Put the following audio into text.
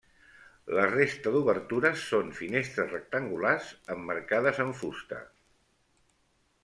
La resta d'obertures són finestres rectangulars emmarcades en fusta.